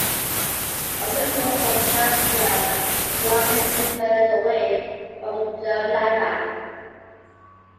Opening holes for Matt Snell and blocking defenders away from Joe Namath.